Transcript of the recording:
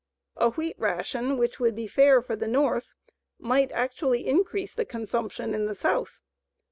A wheat ration which would be fair for the North might actually increase the consumption in the South.